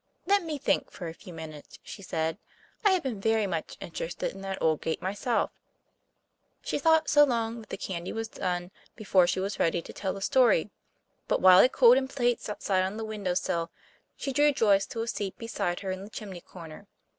"Let me think for a few minutes," she said. "I have been very much interested in that old gate myself." She thought so long that the candy was done before she was ready to tell the story; but while it cooled in plates outside on the window sill, she drew Joyce to a seat beside her in the chimney corner.